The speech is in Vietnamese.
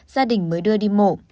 gia đình mới đưa đi mổ